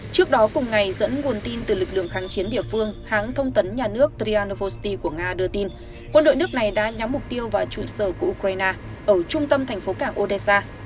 trước đó cùng ngày dẫn nguồn tin từ lực lượng kháng chiến địa phương hãng thông tấn nhà nước krian novosti của nga đưa tin quân đội nước này đã nhắm mục tiêu vào trụ sở của ukraine ở trung tâm thành phố cảng odessa